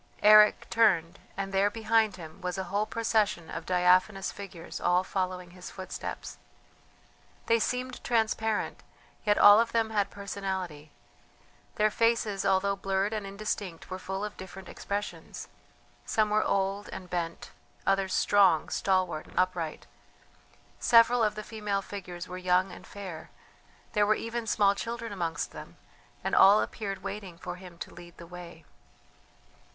Eric turned, and there, behind him, was a whole procession of diaphanous figures all following his footsteps. They seemed transparent, yet all of them had personality; their faces although blurred and indistinct were full of different expressions. Some were old and bent, others strong, stalwart, upright. Several of the female figures were young and fair; there were even small children amongst them, and all appeared waiting for him to lead the way.